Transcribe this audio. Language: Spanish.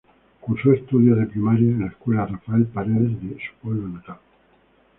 Cursó estudios de Primaria en la Escuela "Rafael Paredes", de su pueblo natal.